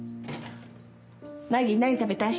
凪何食べたい？